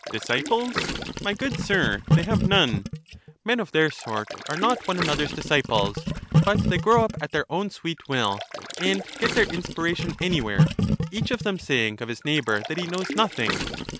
Disciples I my good sir, they have none ; men of their sort are not one another's disciples, but they grow up at their own sweet will, and get their inspiration anywhere, each of them saying of his neighbour that he knows nothing.